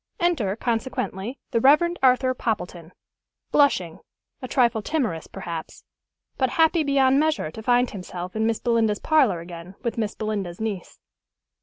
Enter, consequently, the Rev. Arthur Poppleton, blushing, a trifle timorous perhaps, but happy beyond measure to find himself in Miss Belinda's parlor again, with Miss Belinda's niece.